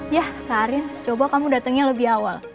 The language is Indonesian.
yah kak arin coba kamu datangnya lebih awal